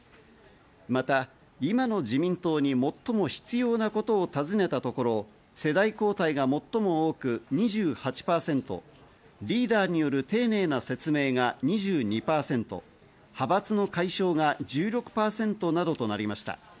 また今の自民党に最も必要なことを尋ねたところ、世代交代が最も多く２８％、リーダーによる丁寧な説明が２２％、派閥の解消が１６％などとなりました。